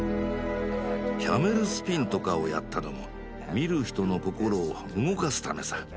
キャメルスピンとかをやったのも見る人の心を動かすためさ。